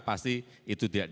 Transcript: pasti itu tidak ada